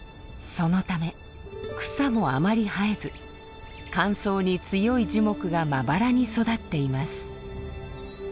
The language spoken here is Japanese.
そのため草もあまり生えず乾燥に強い樹木がまばらに育っています。